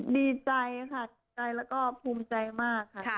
ดีใจค่ะดีใจแล้วก็ภูมิใจมากค่ะ